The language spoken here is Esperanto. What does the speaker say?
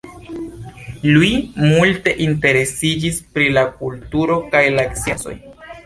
Louis multe interesiĝis pri la kulturo kaj la sciencoj.